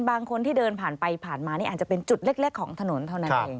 บางคนที่เดินผ่านไปผ่านมานี่อาจจะเป็นจุดเล็กของถนนเท่านั้นเอง